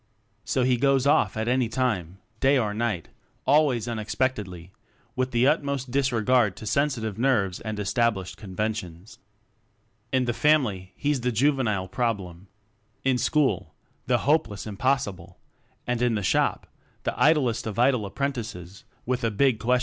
So he "goes off" at any old time, day or night always unexpectedly with the utmost disregard to sensitive nerves and es tablished conventions. In the family he's the juvenile "problem"; in school, the hopeless im possible! and in the shop, the idlest of idle apprentices (with a big ?).